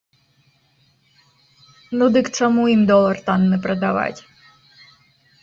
Ну дык чаму ім долар танны прадаваць?